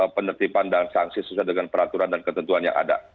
penertiban dan sanksi sesuai dengan peraturan dan ketentuan yang ada